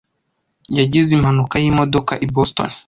yagize impanuka y'imodoka i Boston.